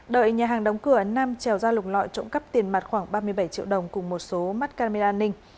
đợi nhà hàng đóng cửa nam trèo ra lục lọi trộm cắp tiền mặt khoảng ba mươi bảy triệu đồng cùng một số mắt camera an ninh